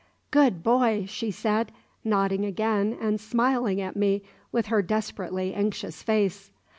"Good boy!" she said, nodding again and smiling at me with her desperately anxious face.